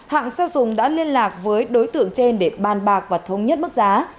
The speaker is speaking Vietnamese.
hãng xeo sùng đã liên lạc với đối tượng trên để ban bạc và thống nhất mức giá